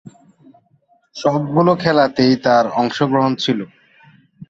সবগুলো খেলাতেই তার অংশগ্রহণ ছিল।